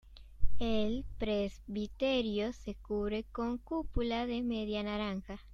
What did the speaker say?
El presbiterio se cubre con cúpula de media naranja.